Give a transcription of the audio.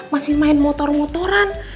masih main motor motoran